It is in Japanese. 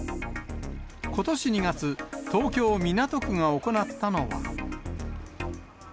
ことし２月、東京・港区が行ったのは。